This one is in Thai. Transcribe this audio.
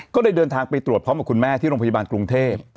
ก็เลยเดินทางไปตรวจพร้อมกับคุณแม่ที่โรงพยาบาลกรุงเทพ